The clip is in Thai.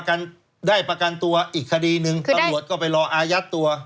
กันได้ประกันตัวอีกคดีหนึ่งตำรวจก็ไปรออายัดตัว